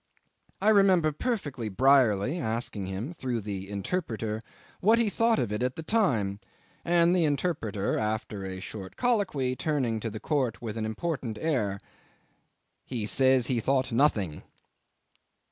I remember perfectly Brierly asking him, through the interpreter, what he thought of it at the time, and the interpreter, after a short colloquy, turning to the court with an important air '"He says he thought nothing."